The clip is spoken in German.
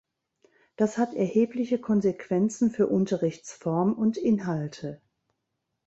Das hat erhebliche Konsequenzen für Unterrichtsform und -inhalte.